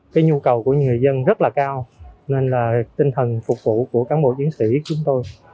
cái nhu cầu của người dân rất là cao nên là tinh thần phục vụ của cán bộ chiến sĩ chúng tôi